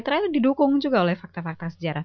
terakhir itu didukung juga oleh fakta fakta sejarah